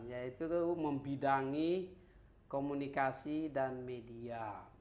yaitu membidangi komunikasi dan media